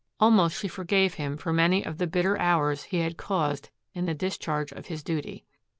Almost she forgave him for many of the bitter hours he had caused in the discharge of his duty.